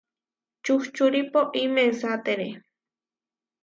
Čuhčuri poʼí mesátere.